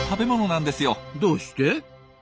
どうして？